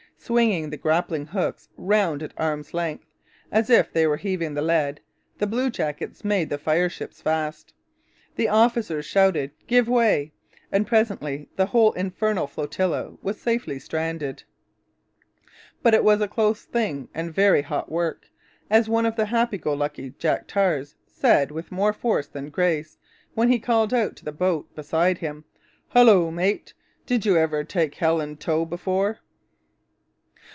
Swinging the grappling hooks round at arm's length, as if they were heaving the lead, the bluejackets made the fireships fast, the officers shouted, 'Give way!' and presently the whole infernal flotilla was safely stranded. But it was a close thing and very hot work, as one of the happy go lucky Jack tars said with more force than grace, when he called out to the boat beside him: 'Hullo, mate! Did you ever take hell in tow before?'